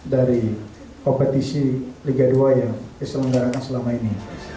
dari kompetisi liga dua yang bisa menggarangkan selama ini